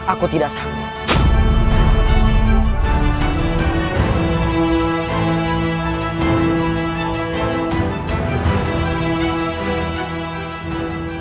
aku tidak sanggup